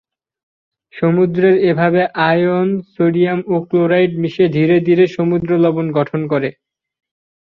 সমুদ্রের এভাবে ion sodium ও ক্লোরাইড মিশে ধীরে ধীরে সমুদ্র লবণ গঠন করে।